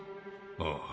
ああ。